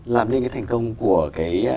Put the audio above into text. làm nên cái thành công của cái